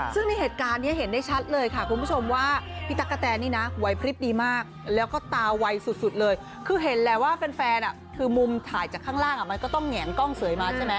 ซึ่งในเหตุการณ์นี้เห็นได้ชัดเลยค่ะคุณผู้ชมว่าพี่ตั๊กกะแตนนี่นะไหวพลิบดีมากแล้วก็ตาไวสุดเลยคือเห็นแหละว่าแฟนคือมุมถ่ายจากข้างล่างมันก็ต้องแหงกล้องสวยมาใช่ไหม